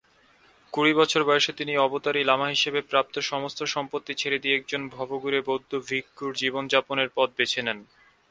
কুড়ি বছর বয়সে তিনি অবতারী লামা হিসেবে প্রাপ্ত সমস্ত সম্পত্তি ছেড়ে দিয়ে একজন ভবঘুরে বৌদ্ধ ভিক্ষুর জীবনযাপনের পথ বেছে নেন।